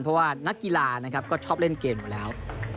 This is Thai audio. เพราะว่านักกีฬานะครับก็ชอบเล่นเกมอยู่แล้ว